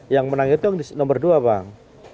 yang menang itu nomor dua bang